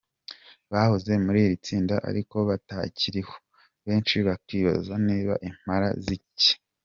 bahoze muri iri tsinda ariko batacyiriho, benshi bakibaza niba impala ziki.